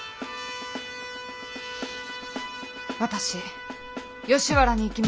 私吉原に行きます。